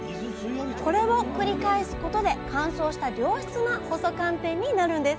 これを繰り返すことで乾燥した良質な細寒天になるんです